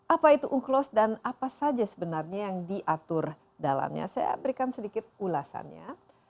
apa itu unclos dan apa saja sebenarnya yang diatur dalamnya saya berikan sedikit ulasannya